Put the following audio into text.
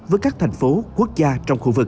với các thành phố quốc gia trong khu vực